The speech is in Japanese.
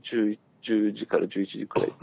１０時から１１時くらいって。